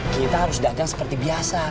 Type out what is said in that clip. kita harus dagang seperti biasa